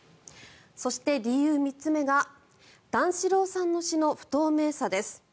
そして、理由３つ目が段四郎さんの死の不透明さです。